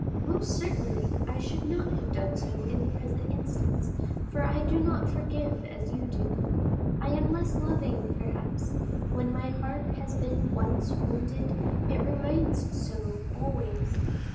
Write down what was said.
"Most certainly I should not have done so in the present instance, for I do not forgive as you do. I am less loving, perhaps; when my heart has been once wounded, it remains so always."